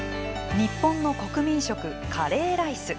日本の国民食カレーライス。